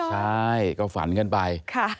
ใช่ก็ฝันกันไป